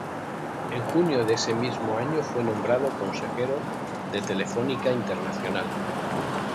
En junio de ese mismo año, fue nombrado consejero de Telefónica Internacional.